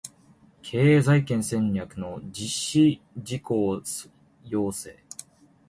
経営再建戦略の実施事項詳細